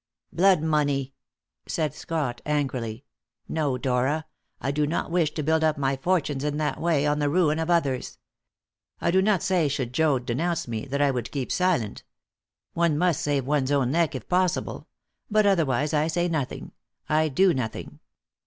"Blood money!" said Scott angrily. "No, Dora; I do not wish to build up my fortunes in that way, on the ruin of others. I do not say, should Joad denounce me, that I would keep silent. One must save one's own neck if possible; but otherwise I say nothing, I do nothing.